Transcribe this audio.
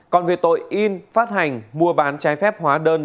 còn về tội in phát hành mua bán trái phép hóa đơn